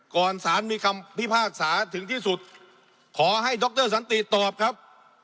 สารมีคำพิพากษาถึงที่สุดขอให้ดรสันติตอบครับ